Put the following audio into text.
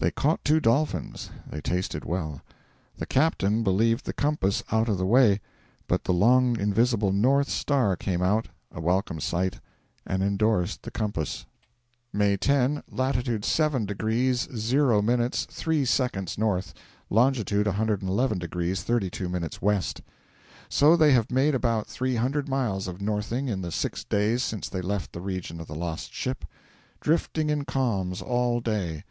They caught two dolphins; they tasted well. 'The captain believed the compass out of the way, but the long invisible north star came out a welcome sight and endorsed the compass.' May 10, 'latitude 7 degrees 0 minutes 3 seconds N., longitude 111 degrees 32 minutes W.' So they have made about three hundred miles of northing in the six days since they left the region of the lost ship. 'Drifting in calms all day.'